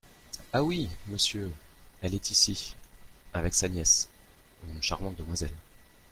Ah ! oui, monsieur… elle est ici… avec sa nièce… une charmante demoiselle.